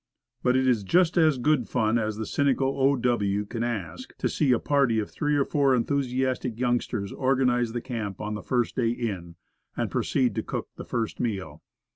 But it is just as good fun as the cynical O. W. can ask, to see a party of three or four enthusiastic youngsters organize the camp on the first day in, and proceed to cook the first meal.